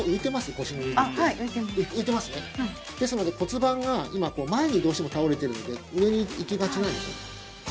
腰のとこってあっはい浮いてます浮いてますねですので骨盤が今こう前にどうしても倒れてるので上に浮きがちなんですね